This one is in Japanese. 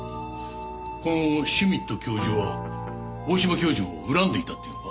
このシュミット教授は大島教授を恨んでいたっていうのか？